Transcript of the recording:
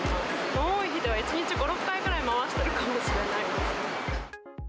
多い日では１日５、６回ぐらい回してるかもしれないです。